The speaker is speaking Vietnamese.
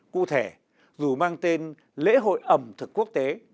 cụ thể dù mang tên lễ hội ẩm thực quốc tế